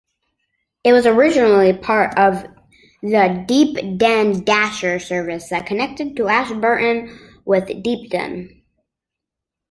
It was originally part of the "Deepdene Dasher" service that connected Ashburton with Deepdene.